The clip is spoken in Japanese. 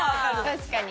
確かに。